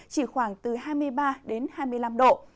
chỉ khoảng từ hai mươi ba đến hai mươi năm độ